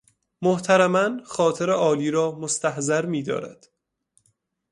محترماً خاطر عالی رامستحضر میدارد